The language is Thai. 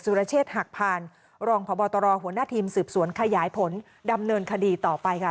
รเชษฐ์หักพานรองพบตรหัวหน้าทีมสืบสวนขยายผลดำเนินคดีต่อไปค่ะ